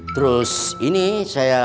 terus ini saya